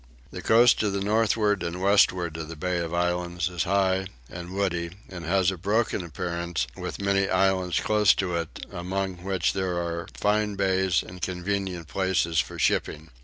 The coast to the northward and westward of the Bay of Islands is high and woody and has a broken appearance, with many islands close to it, among which there are fine bays and convenient places for shipping.